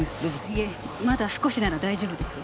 いえまだ少しなら大丈夫です。